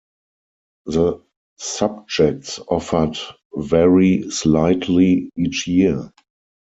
The subjects offered vary slightly each year.